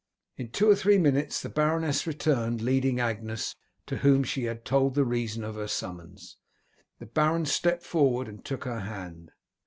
In two or three minutes the baroness returned, leading Agnes, to whom she had told the reason of her summons. The baron stepped forward and took her hand.